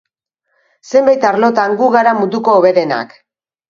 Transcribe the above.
Zenbait arlotan gu gara munduko hoberenak.